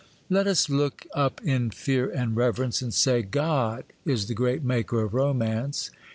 Let us look up in fear and reverence, and say, 'GOD is the great maker of romance.